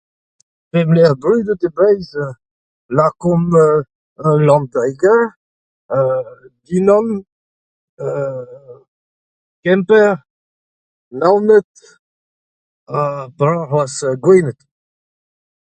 Pemp lec'h brudet e Breizh. Lakomp, euh, Landreger, euh Dinan, euh Kemper Naoned ha petra c'hoazh Gwened.